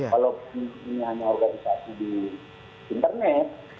walaupun ini hanya organisasi di internet